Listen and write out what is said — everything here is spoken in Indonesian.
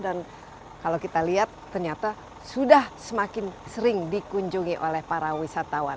dan kalau kita lihat ternyata sudah semakin sering dikunjungi oleh para wisatawan